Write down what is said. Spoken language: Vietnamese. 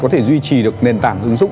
có thể duy trì được nền tảng ứng dụng